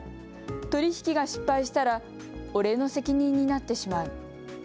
取り引きが失敗したら俺の責任になってしまう。